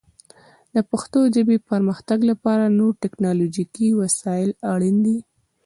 د پښتو ژبې پرمختګ لپاره نور ټکنالوژیکي وسایل اړین دي.